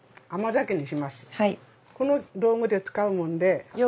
この道具で使うもんで。